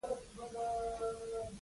هغه راته وایي: «هلته بری دی چې هڅه وي».